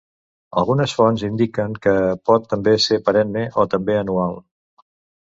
Algunes fonts indiquen que pot també ser perenne, o també anual.